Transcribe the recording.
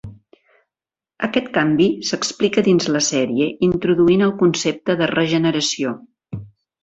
Aquest canvi s'explica dins la sèrie introduint el concepte de regeneració.